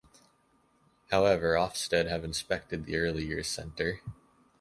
However, Ofsted have inspected the Early Years Centre.